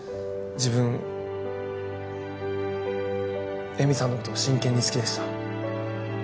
自分恵美さんのことを真剣に好きでした。